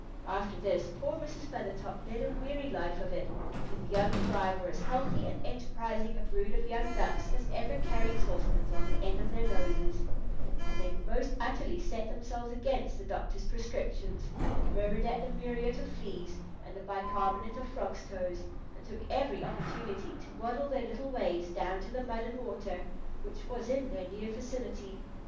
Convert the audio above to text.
After this poor Mrs. Feathertop led a weary life of it; for the young fry were as healthy and enterprising a brood of young ducks as ever carried saucepans on the end of their noses, and they most utterly set themselves against the doctor's prescriptions, murmured at the muriate of fleas and the bicarbonate of frogs' toes, and took every opportunity to waddle their little ways down to the mud and water which was in their near vicinity.